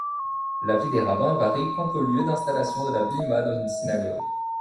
L'avis des rabbins varie quant au lieu d'installation de la bimah dans une synagogue.